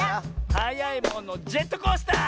「はやいものジェットコースター！」